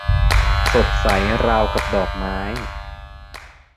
สดใสราวกับดอกไม้